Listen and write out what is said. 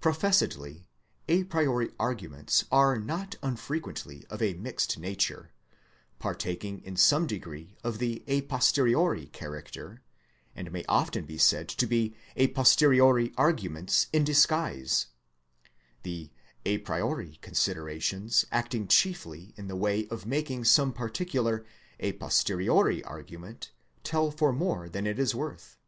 Professedly a priori arguments are not unfrequently of a mixed nature, partaking in some degree of the a posteriori character, and may often be said to be a posteriori arguments in disguise; the a priori considerations acting chiefly in the way of making some particular a posteriori argument tell for more than its worth.